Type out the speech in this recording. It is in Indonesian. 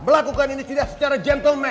melakukan ini tidak secara gentleman